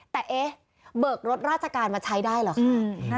แต่เอ๊ะเบิกรถราชการมาใช้ได้เหรอคะ